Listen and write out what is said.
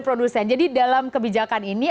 produsen jadi dalam kebijakan ini